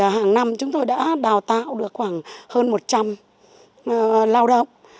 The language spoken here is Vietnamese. hàng năm chúng tôi đã đào tạo được khoảng hơn một trăm linh lao động